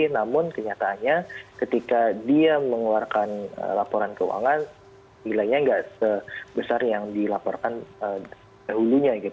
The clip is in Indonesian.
namun kenyataannya ketika dia mengeluarkan laporan keuangan nilainya nggak sebesar yang dilaporkan dahulunya